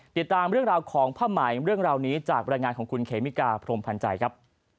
ติดตามเรื่องราวของผ้าไหมเรื่องราวนี้จากบรรยายงานของคุณเขมิกาพรมพันธ์ใจครับ